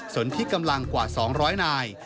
ส่วนที่กำลังกว่า๒๐๐นาย